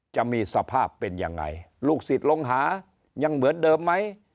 จะมีสภาพเป็นยังไงลูกศิษย์ลงหายังเหมือนเดิมไหม